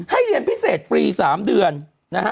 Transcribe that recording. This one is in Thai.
เรียนพิเศษฟรี๓เดือนนะฮะ